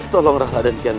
tolong raha dan kian